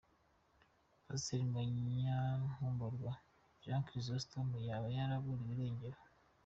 Pasteur Munyankumburwa Jean Chrisostome yaba yaraburiwe irengero.